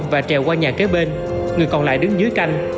và trèo qua nhà kế bên người còn lại đứng dưới canh